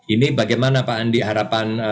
ini bagaimana pak andi harapan